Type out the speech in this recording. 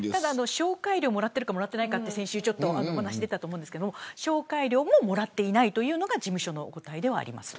紹介料もらっているかもらってないかって先週お話出たと思いますが紹介料ももらっていないというのが事務所の答えではあります。